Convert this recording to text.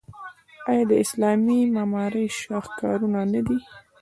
آیا دا د اسلامي معمارۍ شاهکارونه نه دي؟